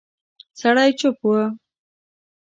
سړی چوپ و.